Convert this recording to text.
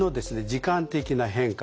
時間的な変化